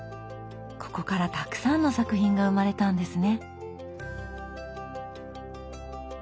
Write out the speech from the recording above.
ここからたくさんの作品が生まれたんですね。